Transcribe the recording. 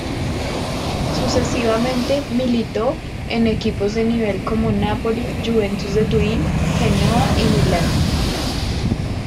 Sucesivamente militó en equipos de nivel como Napoli, Juventus de Turín, Genoa y Milan.